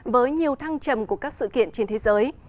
với nhiều thăng trầm của các sự kiện trên thế giới